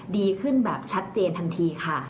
ดีขึ้นแบบชัดเจนทันทีค่ะ